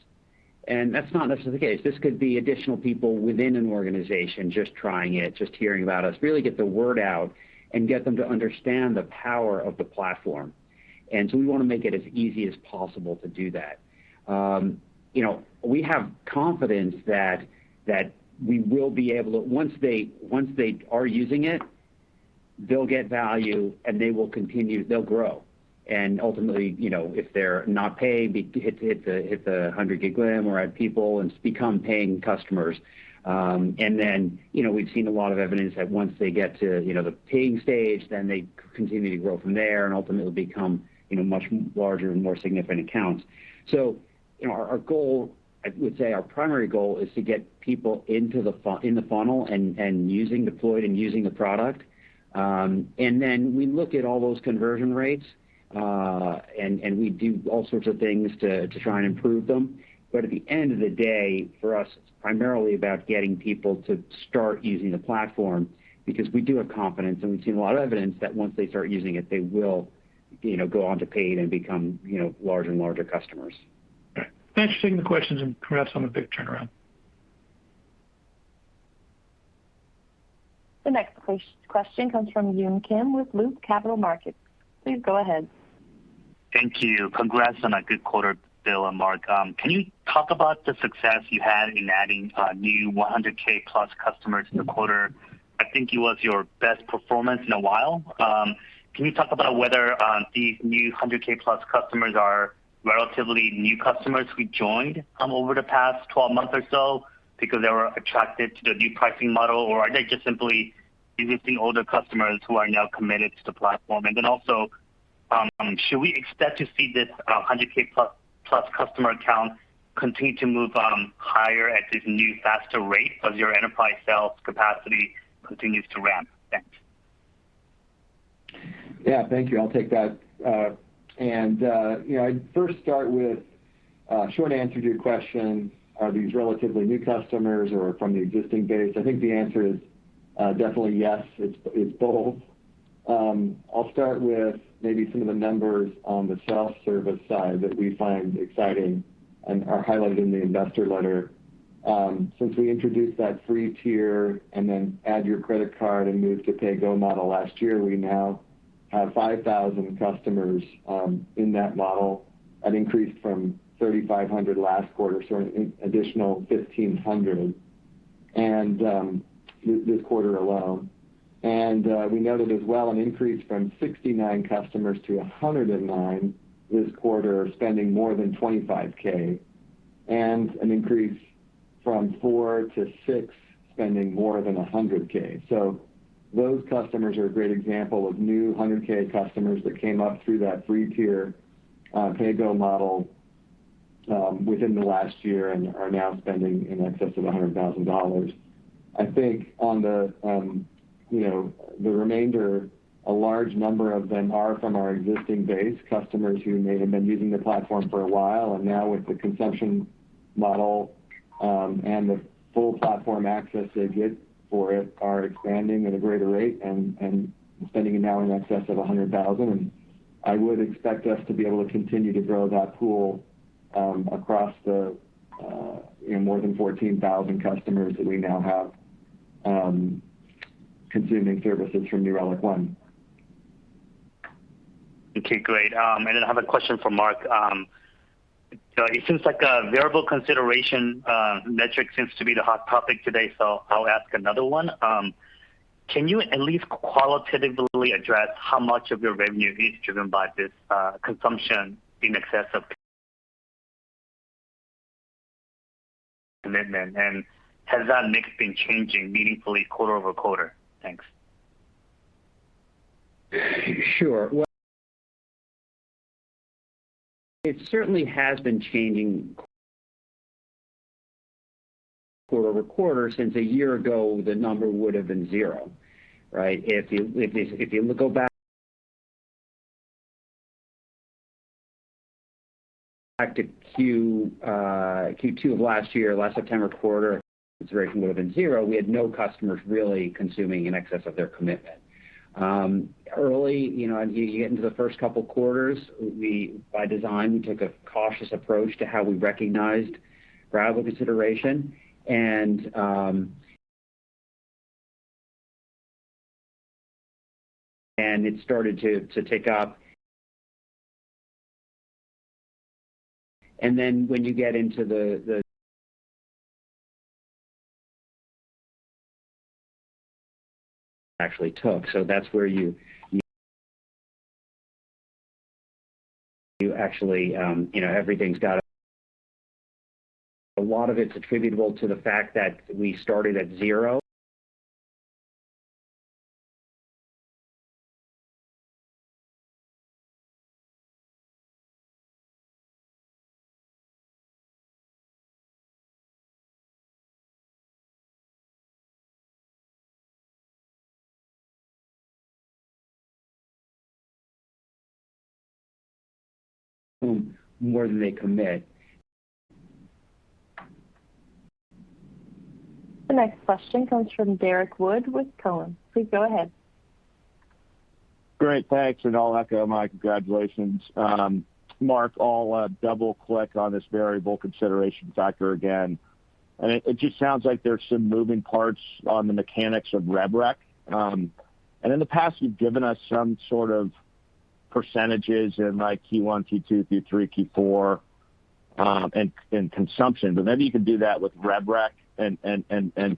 That's not necessarily the case. This could be additional people within an organization just trying it, just hearing about us, really get the word out and get them to understand the power of the platform. We wanna make it as easy as possible to do that. You know, we have confidence that once they are using it, they'll get value, and they will continue. They'll grow. Ultimately, you know, if they're not paying, hit the 100 GB limit or add people and become paying customers. You know, we've seen a lot of evidence that once they get to, you know, the paying stage, then they continue to grow from there and ultimately become, you know, much larger and more significant accounts. You know, our goal, I would say our primary goal is to get people into the funnel and using deployed and using the product. We look at all those conversion rates, and we do all sorts of things to try and improve them. At the end of the day, for us, it's primarily about getting people to start using the platform because we do have confidence, and we've seen a lot of evidence that once they start using it, they will, you know, go on to paid and become, you know, larger and larger customers. All right. Thanks for taking the questions, and congrats on the big turnaround. The next question comes from Yun Kim with Loop Capital Markets. Please go ahead. Thank you. Congrats on a good quarter, Bill and Mark. Can you talk about the success you had in adding new 100K plus customers in the quarter? I think it was your best performance in a while. Can you talk about whether these new 100K plus customers are relatively new customers who joined over the past 12 months or so because they were attracted to the new pricing model? Or are they just simply existing older customers who are now committed to the platform? Also, should we expect to see this 100K plus customer account continue to move higher at this new faster rate as your enterprise sales capacity continues to ramp? Thanks. Yeah, thank you. I'll take that. You know, I'd first start with short answer to your question, are these relatively new customers or from the existing base? I think the answer is, definitely yes. It's both. I'll start with maybe some of the numbers on the self-service side that we find exciting and are highlighted in the investor letter. Since we introduced that free tier and then add your credit card and move to pay-go model last year, we now have 5,000 customers in that model. That increased from 3,500 last quarter, so an additional 1,500 and this quarter alone. We noted as well an increase from 69 customers to 109 this quarter spending more than $25K and an increase from four to six, spending more than $100K. Those customers are a great example of new $100K customers that came up through that free tier, pay-go model, within the last year and are now spending in excess of $100,000. I think on the you know remainder, a large number of them are from our existing base, customers who may have been using the platform for a while, and now with the consumption model and the full platform access they get for it are expanding at a greater rate and spending it now in excess of $100,000. I would expect us to be able to continue to grow that pool across the you know more than 14,000 customers that we now have consuming services from New Relic One. Okay, great. I have a question for Mark. It seems like a variable consideration metric seems to be the hot topic today, so I'll ask another one. Can you at least qualitatively address how much of your revenue is driven by this consumption in excess of commitment, and has that mix been changing meaningfully quarter-over-quarter? Thanks. Sure. Well, it certainly has been changing quarter-over-quarter since a year ago, the number would have been zero, right? If you go back to Q2 of last year, last September quarter, consideration would have been zero. We had no customers really consuming in excess of their commitment. Early you get into the first couple quarters, by design we took a cautious approach to how we recognized variable consideration. It started to tick up. So that's where a lot of it is attributable to the fact that we started at zero. More than they commit. The next question comes from Derrick Wood with Cowen. Please go ahead. Great. Thanks. I'll echo my congratulations. Mark, I'll double-click on this variable consideration factor again. It just sounds like there's some moving parts on the mechanics of rev rec. In the past, you've given us some sort of percentages in like Q1, Q2, Q3, Q4, and consumption. Maybe you can do that with rev rec and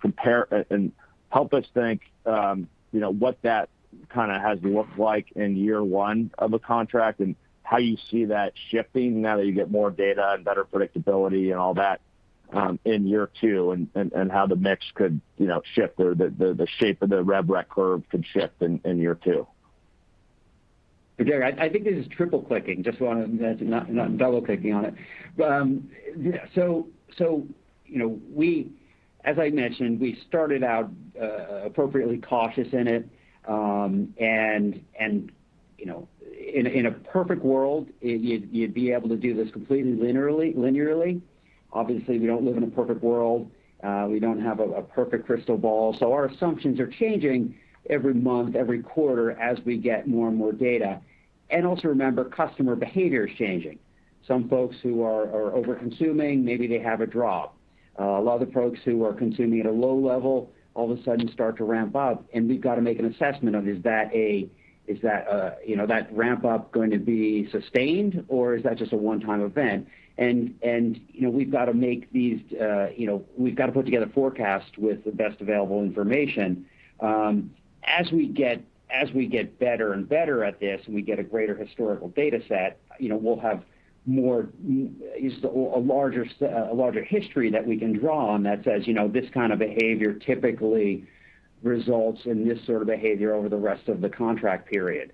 compare and help us think, you know, what that kinda has looked like in year one of a contract and how you see that shifting now that you get more data and better predictability and all that, in year two and how the mix could, you know, shift or the shape of the rev rec curve could shift in year two. Derrick, I think this is triple clicking, just wanna not double clicking on it. Yeah, as I mentioned, we started out appropriately cautious in it. You know, in a perfect world, you'd be able to do this completely linearly. Obviously, we don't live in a perfect world. We don't have a perfect crystal ball. Our assumptions are changing every month, every quarter as we get more and more data. Also remember, customer behavior is changing. Some folks who are overconsuming, maybe they have a drop. A lot of the folks who are consuming at a low level all of a sudden start to ramp up, and we've got to make an assessment of is that, you know, that ramp-up going to be sustained, or is that just a one-time event? You know, we've got to make these, you know, we've got to put together forecasts with the best available information. As we get better and better at this, and we get a greater historical data set, you know, we'll have a larger history that we can draw on that says, you know, this kind of behavior typically results in this sort of behavior over the rest of the contract period.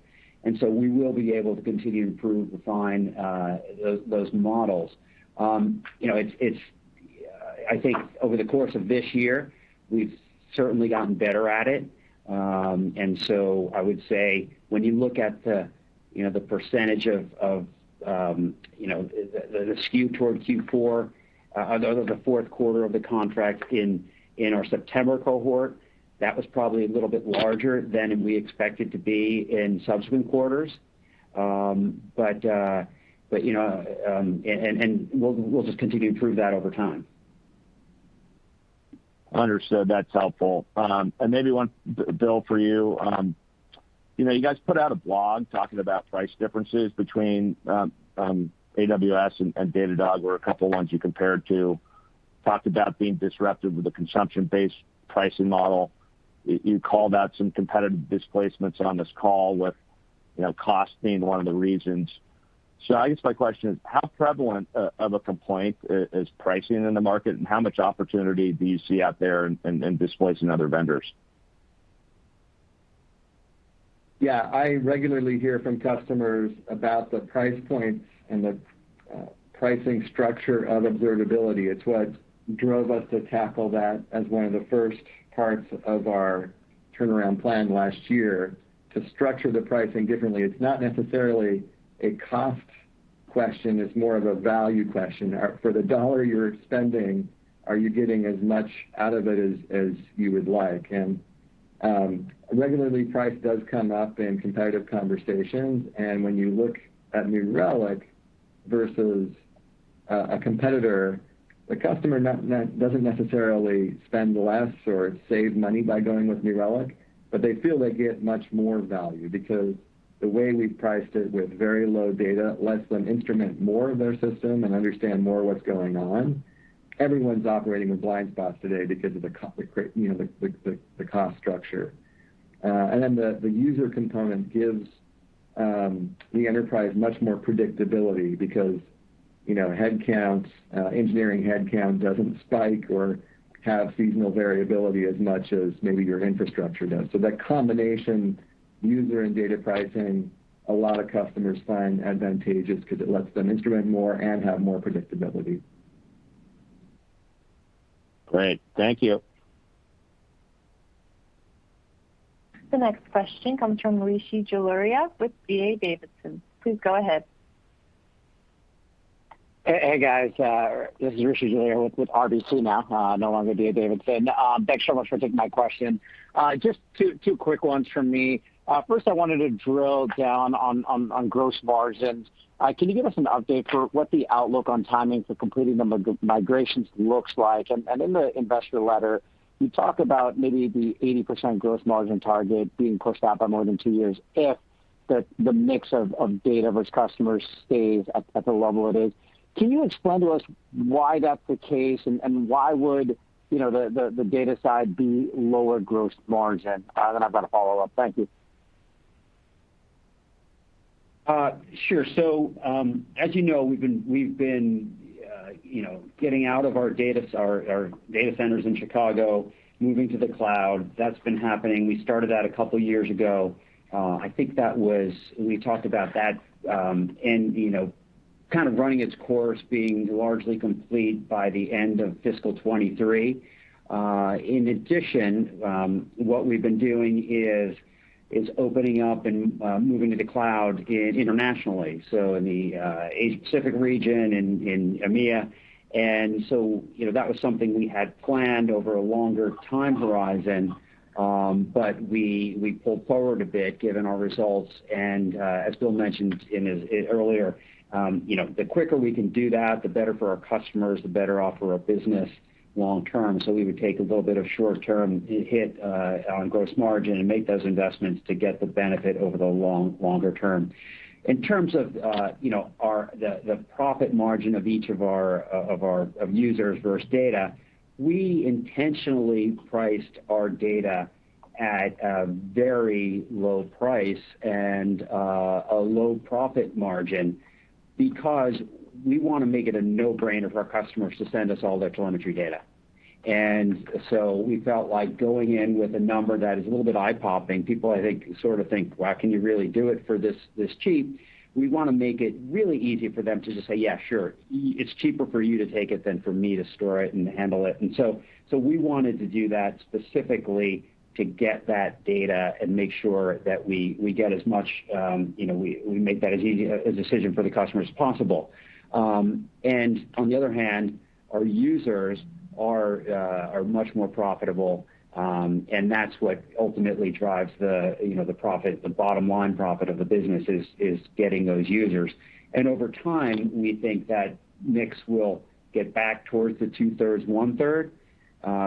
We will be able to continue to improve, refine, those models. You know, it's. I think over the course of this year, we've certainly gotten better at it. I would say when you look at the, you know, the percentage of the skew toward Q4, the fourth quarter of the contract in our September cohort, that was probably a little bit larger than we expect it to be in subsequent quarters. you know, and we'll just continue to improve that over time. Understood. That's helpful. And maybe one, Bill, for you. You know, you guys put out a blog talking about price differences between AWS and Datadog were a couple ones you compared to. Talked about being disruptive with the consumption-based pricing model. You called out some competitive displacements on this call with, you know, cost being one of the reasons. I guess my question is how prevalent of a complaint is pricing in the market? And how much opportunity do you see out there in displacing other vendors? Yeah. I regularly hear from customers about the price points and the pricing structure of observability. It's what drove us to tackle that as one of the first parts of our turnaround plan last year to structure the pricing differently. It's not necessarily a cost question, it's more of a value question. For the dollar you're spending, are you getting as much out of it as you would like? Regularly price does come up in competitive conversations, and when you look at New Relic versus a competitor, the customer doesn't necessarily spend less or save money by going with New Relic, but they feel they get much more value because the way we've priced it with very low data lets them instrument more of their system and understand more what's going on. Everyone's operating with blind spots today because of you know, the cost structure. The user component gives the enterprise much more predictability because you know, headcounts, engineering headcount doesn't spike or have seasonal variability as much as maybe your infrastructure does. That combination user and data pricing, a lot of customers find advantageous 'cause it lets them instrument more and have more predictability. Great. Thank you. The next question comes from Rishi Jaluria with RBC Capital Markets. Please go ahead. Hey, guys. This is Rishi Jaluria with RBC now, no longer RBC Capital Markets. Thanks so much for taking my question. Just two quick ones from me. First I wanted to drill down on gross margins. Can you give us an update for what the outlook on timing for completing the migrations looks like? In the investor letter, you talk about maybe the 80% gross margin target being pushed out by more than 2 years if the mix of data versus customers stays at the level it is. Can you explain to us why that's the case and why would, you know, the data side be lower gross margin? Then I've got a follow-up. Thank you. Sure. As you know, we've been getting out of our data centers in Chicago, moving to the cloud. That's been happening. We started that a couple years ago. I think we talked about that, you know, kind of running its course being largely complete by the end of fiscal 2023. In addition, what we've been doing is opening up and moving to the cloud internationally, so in the Asia Pacific region, in EMEA. You know, that was something we had planned over a longer time horizon, but we pulled forward a bit given our results. As Bill mentioned in his earlier, you know, the quicker we can do that, the better for our customers, the better off for our business long term. We would take a little bit of short-term hit on gross margin and make those investments to get the benefit over the longer term. In terms of, you know, the profit margin of each of our users versus data, we intentionally priced our data at a very low price and a low profit margin because we wanna make it a no-brainer for our customers to send us all their telemetry data. We felt like going in with a number that is a little bit eye-popping. People I think sort of think, "Wow, can you really do it for this cheap?" We wanna make it really easy for them to just say, "Yeah, sure. It's cheaper for you to take it than for me to store it and handle it." We wanted to do that specifically to get that data and make sure that we get as much, you know, we make that as easy a decision for the customer as possible. On the other hand, our users are much more profitable, and that's what ultimately drives the, you know, the profit. The bottom line profit of the business is getting those users. Over time, we think that mix will get back towards the two-thirds, one-third.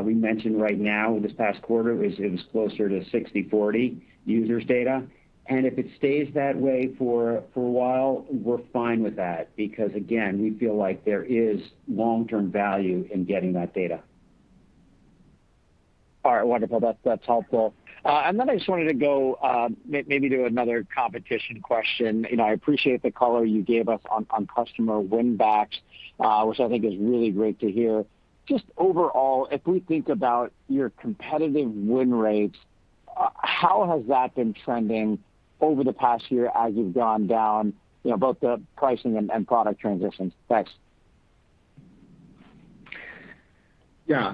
We mentioned right now this past quarter it was closer to 60/40. Users' data. If it stays that way for a while, we're fine with that because again, we feel like there is long-term value in getting that data. All right. Wonderful. That's helpful. I just wanted to go, maybe do another competitive question. You know, I appreciate the color you gave us on customer win backs, which I think is really great to hear. Just overall, if we think about your competitive win rates, how has that been trending over the past year as you've gone down, you know, both the pricing and product transitions? Thanks. Yeah.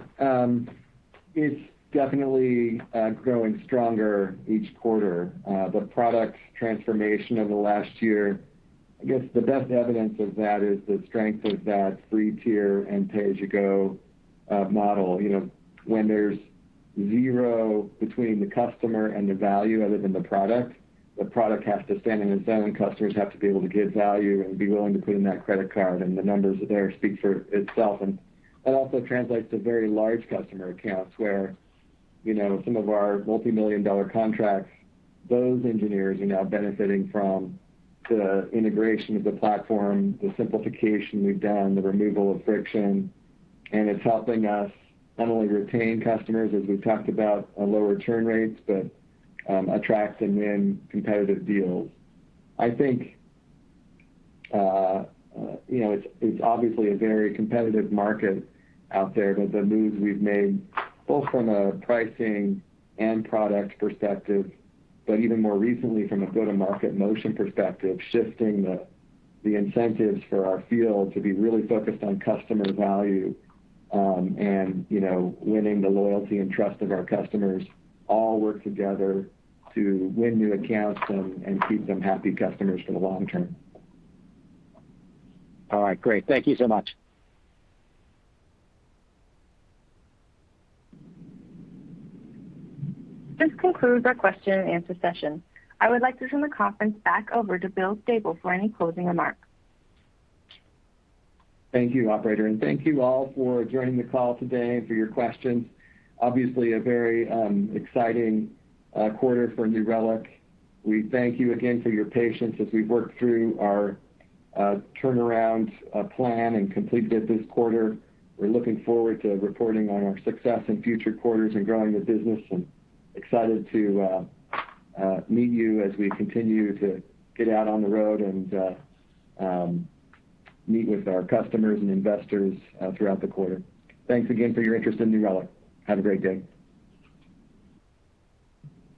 It's definitely growing stronger each quarter. The product transformation over the last year, I guess the best evidence of that is the strength of that free tier and pay-as-you-go model. You know, when there's zero between the customer and the value other than the product, the product has to stand on its own. Customers have to be able to get value and be willing to put in that credit card, and the numbers there speak for itself. That also translates to very large customer accounts where, you know, some of our multimillion-dollar contracts, those engineers are now benefiting from the integration of the platform, the simplification we've done, the removal of friction, and it's helping us not only retain customers as we've talked about our lower churn rates, but attract and win competitive deals. I think, you know, it's obviously a very competitive market out there, but the moves we've made both from a pricing and product perspective, but even more recently from a go-to-market motion perspective, shifting the incentives for our field to be really focused on customer value, and, you know, winning the loyalty and trust of our customers all work together to win new accounts and keep them happy customers for the long term. All right, great. Thank you so much. This concludes our question and answer session. I would like to turn the conference back over to Bill Staples for any closing remarks. Thank you, operator, and thank you all for joining the call today and for your questions. Obviously a very exciting quarter for New Relic. We thank you again for your patience as we've worked through our turnaround plan and completed it this quarter. We're looking forward to reporting on our success in future quarters and growing the business and excited to meet you as we continue to get out on the road and meet with our customers and investors throughout the quarter. Thanks again for your interest in New Relic. Have a great day.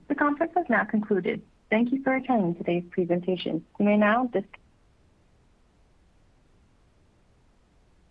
The conference has now concluded. Thank you for attending today's presentation. You may now dis-